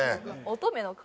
乙女の顔。